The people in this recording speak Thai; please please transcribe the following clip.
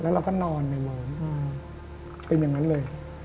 แล้วก็นอนในว้นเป็นอย่างงั้นเลย